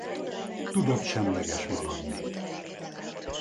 Tudott semleges maradni.